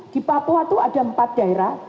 di papua itu ada empat daerah